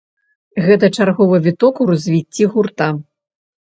Гэта чарговы віток у развіцці гурта.